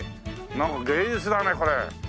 なんか芸術だねこれ。